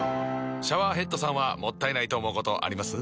シャワーヘッドさんはもったいないと思うことあります？